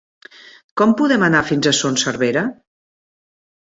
Com podem anar fins a Son Servera?